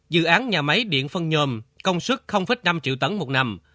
dự án nhà máy điện phân nhồm công suất năm triệu tấn một năm